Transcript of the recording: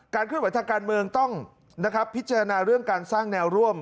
เคลื่อนไหวทางการเมืองต้องพิจารณาเรื่องการสร้างแนวร่วม